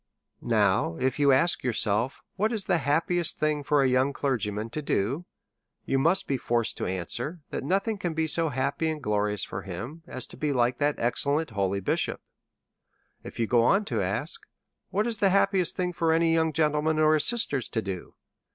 Now, if you ask yourself what is the happiest thing for a young clergyman to do ? you must be forced to answer, that nothing can be so happy and glorious for him as to be like that excellent holy bishop. If you go on, and ask what is the happiest thing for any young gentleman or his sister to do?